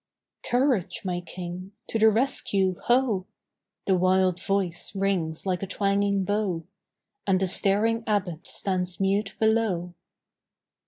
"Courage, my King! To the rescue, ho!" The wild voice rings like a twanging bow, And the staring Abbot stands mute below.